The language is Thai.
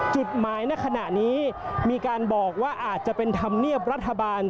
จุดหมายในขณะนี้มีการบอกว่าอาจจะเป็นธรรมเนียบรัฐบาล